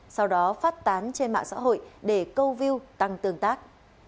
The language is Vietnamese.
sau đó phát tán trên mạng xã hội để câu view tăng tương tác